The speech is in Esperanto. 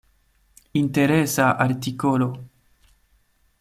Interesa artikolo.